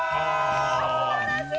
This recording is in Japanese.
すばらしい。